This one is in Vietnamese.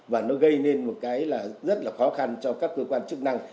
và nó gây nên một cái là rất là khó khăn cho các cơ quan chức năng